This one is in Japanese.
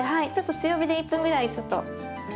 強火で１分ぐらいちょっと。